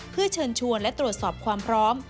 เพื่อเชิญชวนและตรวจสอบความพร้อม